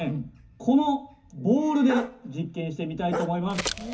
このボールで実験してみたいと思います。